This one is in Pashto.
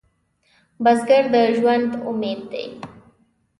بزګر د ژوند امید دی